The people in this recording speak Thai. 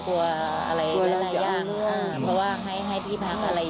กลัวอะไรอะไรอย่างเพราะว่าให้ที่พักอะไรอย่างเนี่ย